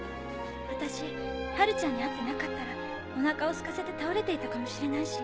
私ハルちゃんに会ってなかったらお腹をすかせて倒れていたかもしれないし。